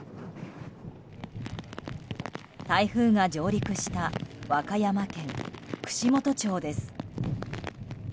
台風が上陸した和歌山県串本町です。